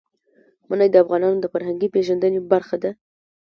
منی د افغانانو د فرهنګي پیژندنې برخه ده.